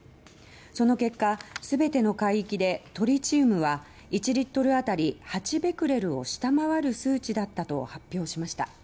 その結果全ての海域でトリチウムは１リットルあたり８ベクレルを下回る数値だったと発表しました。